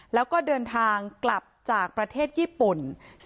แล้วก็เดินทางกลับจากประเทศญี่ปุ่น